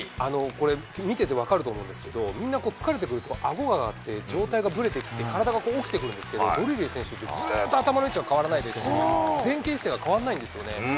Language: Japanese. これ、見てて分かると思うんですけど、みんな疲れてくると、あごが、上体がぶれてきて、体が起きてくるんですけど、ドルーリー選手、ずーっと頭の位置が変わらないですし、前傾姿勢が変わんないんですよね。